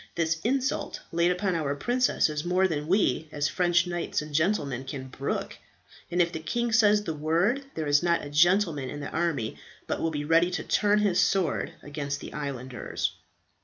This insult laid upon our princess is more than we, as French knights and gentlemen, can brook; and if the king says the word, there is not a gentleman in the army but will be ready to turn his sword against the islanders."